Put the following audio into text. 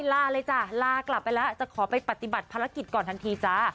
ลาเลยจ้ะลากลับไปแล้วจะขอไปปฏิบัติภารกิจก่อนทันทีจ้า